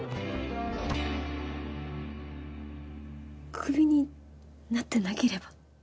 クビになってなければ。